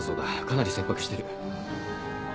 かなり切迫してる。